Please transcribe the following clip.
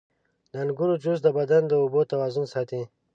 • د انګورو جوس د بدن د اوبو توازن ساتي.